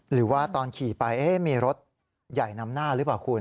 หรือว่าตอนขี่ไปมีรถใหญ่นำหน้าหรือเปล่าคุณ